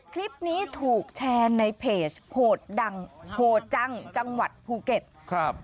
คลิปนี้ถูกแชร์ในเพจโหดดังโหดจังจังหวัดภูเก็ตครับ